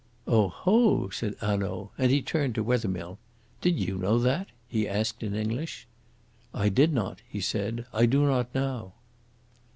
"Oho!" said Hanaud, and he turned to Wethermill. "Did you know that?" he asked in English. "I did not," he said. "I do not now."